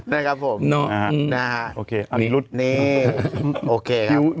นะครับผมนะฮะนะฮะโอเคอันนี้ลุดนี่โอเคครับ